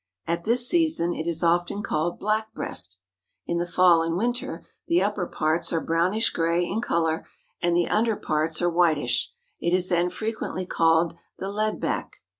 At this season it is often called Blackbreast. In the fall and winter the upper parts are brownish gray in color and the under parts are whitish. It is then frequently called the Leadback.